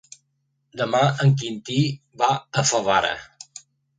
Demà en Quintí va a Favara.